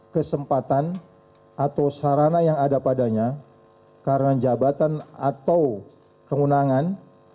kesempatan atau sarana yang ada padanya karena jabatan atau kewenangan